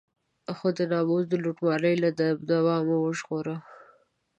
خو د ناموس د لوټمارۍ له دبا مو وژغوره.